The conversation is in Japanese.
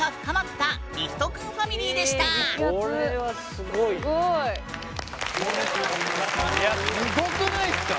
すごい。いやすごくないっすか？